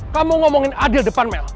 kamu ngomongin adil depan mel